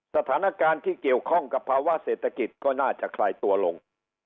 สถานการณ์ที่เกี่ยวข้องกับภาวะเศรษฐกิจก็น่าจะคลายตัวลง